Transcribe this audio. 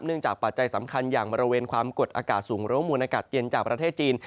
จากปัจจัยสำคัญอย่างบริเวณความกดอากาศสูงหรือว่ามวลอากาศเย็นจากประเทศจีน